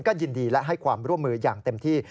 ก็ยินดีและให้ความร่วมมืออย่างเต็มที่